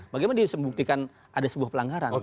bagaimana dia bisa membuktikan ada sebuah pelanggaran